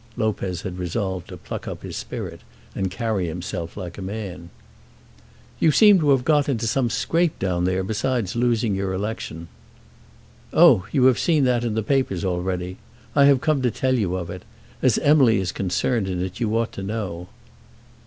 Lopez had resolved to pluck up his spirit and carry himself like a man. "You seem to have got into some scrape down there, besides losing your election." "Oh; you have seen that in the papers already. I have come to tell you of it. As Emily is concerned in it you ought to know."